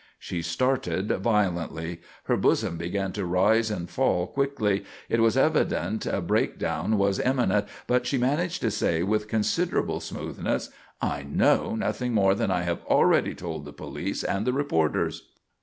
She started violently; her bosom began to rise and fall quickly; it was evident a breakdown was imminent, but she managed to say with considerable smoothness: "I know nothing more than I have already told the police and the reporters."